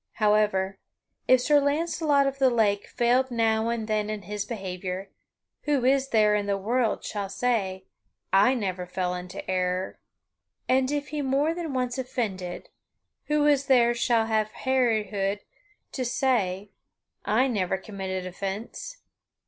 However, if Sir Launcelot of the Lake failed now and then in his behavior, who is there in the world shall say, "I never fell into error"? And if he more than once offended, who is there shall have hardihood to say, "I never committed offence"?